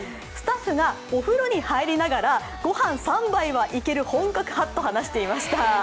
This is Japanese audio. スタッフがお風呂に入りながらご飯３杯はいける本格派と話していました。